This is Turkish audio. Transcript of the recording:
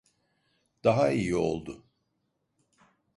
Daha iyi oldu.